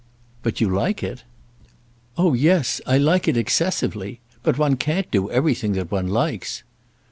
"But you like it?" "Oh yes; I like it excessively. But one can't do everything that one likes."